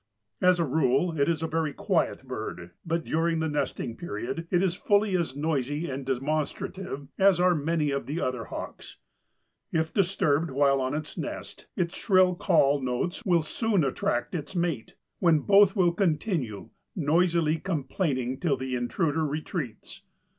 As a rule it is a very quiet bird, but during the nesting period it is fully as noisy and demonstrative as are many of the other hawks. If disturbed while on its nest its shrill call notes will soon attract its mate, when both will continue noisily complaining till the intruder retreats.